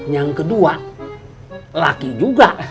yang kedua laki juga